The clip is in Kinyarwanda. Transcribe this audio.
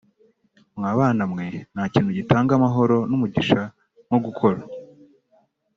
Mwa bana mwe nta kintu gitanga amahoro n’umugisha nko gukora